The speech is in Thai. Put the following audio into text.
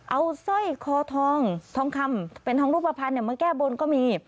เอาสร้อยคอทองทองคำเป็นทองรูปภัณฑ์มาแก้บนก็มี